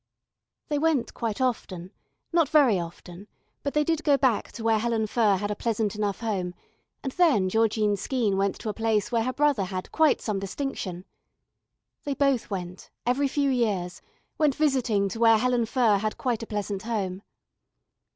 They went quite often, not very often, but they did go back to where Helen Furr had a pleasant enough home and then Georgine Skeene went to a place where her brother had quite some distinction. They both went, every few years, went visiting to where Helen Furr had quite a pleasant home.